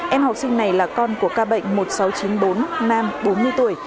em học sinh này là con của ca bệnh một nghìn sáu trăm chín mươi bốn nam bốn mươi tuổi